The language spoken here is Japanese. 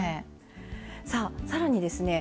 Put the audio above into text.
さあ更にですね